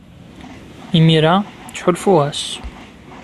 Imir-a, ttḥulfuɣ-as.